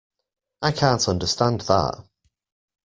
I can't understand that